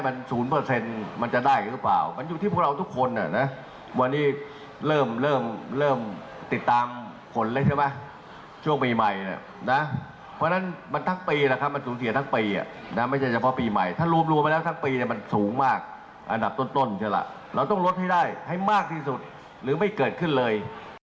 อันดับต้นใช่ละเราต้องลดให้ได้ให้มากที่สุดหรือไม่เกิดขึ้นเลย